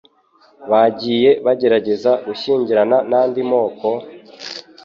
bagiye bagerageza gushyingirana n'andi moko,